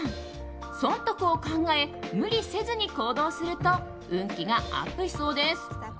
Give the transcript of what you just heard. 損得を考え無理せずに行動すると運気がアップしそうです。